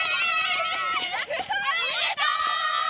おめでとう！